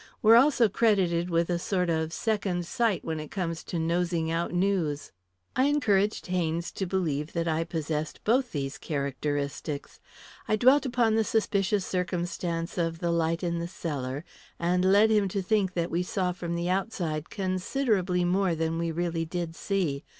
We're also credited with a sort of second sight when it comes to nosing out news. I encouraged Haynes to believe that I possessed both these characteristics. I dwelt upon the suspicious circumstance of the light in the cellar, and led him to think that we saw from the outside considerably more than we really did see.